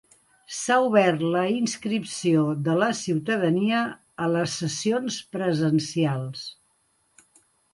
S'ha obert la inscripció de la ciutadania a les sessions presencials.